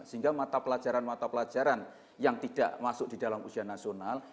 sehingga mata pelajaran mata pelajaran yang tidak masuk di dalam ujian nasional